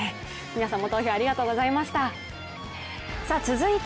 皆さんも投票ありがとうございました。